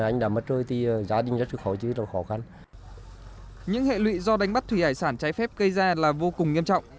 những hệ lụy do đánh bắt thủy hải sản trái phép gây ra là vô cùng nghiêm trọng